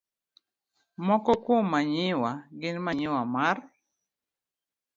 Moko kuom manyiwa gin manyiwa mar